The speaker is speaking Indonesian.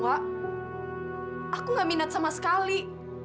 aku gak minat sama sekali